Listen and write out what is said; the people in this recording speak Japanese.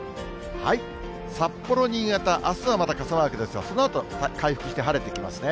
札幌、新潟、あすはまた傘マークですが、そのあと回復して晴れてきますね。